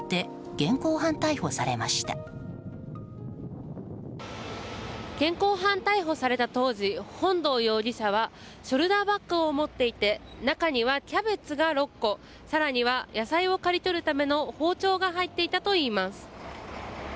現行犯逮捕された当時本堂容疑者はショルダーバッグを持っていて中にはキャベツが６個更には野菜を刈り取るための包丁が入っていたといいます。